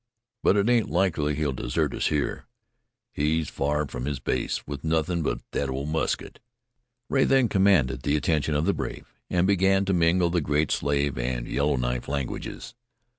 But it ain't likely he'd desert us here. He's far from his base, with nothin' but thet old musket." Rea then commanded the attention of the brave, and began to mangle the Great Slave and Yellow Knife languages.